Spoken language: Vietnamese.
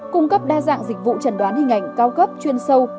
cung cấp đa dạng dịch vụ trần đoán hình ảnh cao cấp chuyên sâu